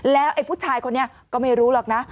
แล้วไอ้ผู้ชายคนนี้ก็ไม่รู้หรอกนะ